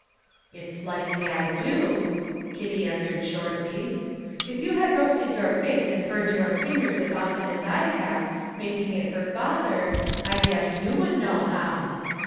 "It's likely I do," Kitty answered shortly. "If you had roasted your face and burnt your fingers as often as I have, making it for father, I guess you would know how."